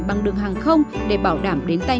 bằng đường hàng không để bảo đảm đến tay